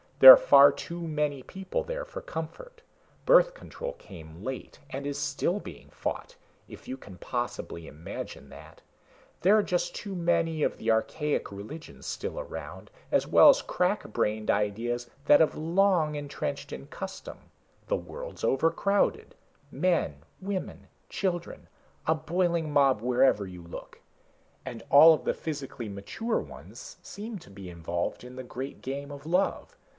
There are far too many people there for comfort. Birth control came late and is still being fought if you can possibly imagine that. There are just too many of the archaic religions still around, as well as crackbrained ideas that have been long entrenched in custom. The world's overcrowded. Men, women, children, a boiling mob wherever you look. And all of the physically mature ones seem to be involved in the Great Game of Love.